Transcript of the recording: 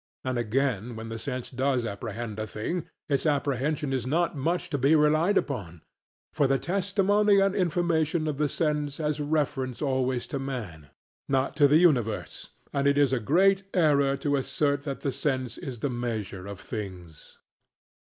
And again when the sense does apprehend a thing its apprehension is not much to be relied upon. For the testimony and information of the sense has reference always to man, not to the universe; and it is a great error to assert that the sense is the measure of things.